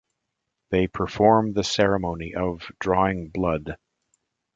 They perform the ceremony of drawing blood.